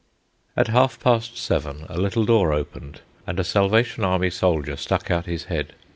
At half past seven a little door opened, and a Salvation Army soldier stuck out his head.